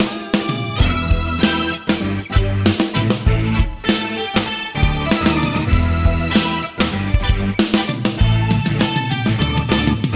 abon happened semenjak soup